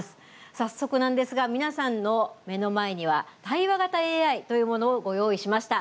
早速なんですが皆さんの目の前には対話型ＡＩというものをご用意しました。